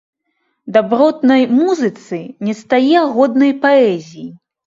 Дабротнай музыцы не стае годнай паэзіі.